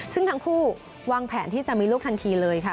ซึ่งทั้งคู่วางแผนที่จะมีลูกทันทีเลยค่ะ